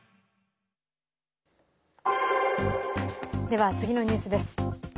では、次のニュースです。